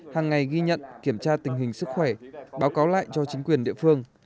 hàng ngày ghi nhận kiểm tra tình hình sức khỏe báo cáo lại cho chính quyền địa phương